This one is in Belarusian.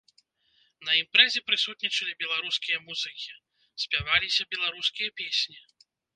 На імпрэзе прысутнічалі беларускія музыкі, спяваліся беларускія песні.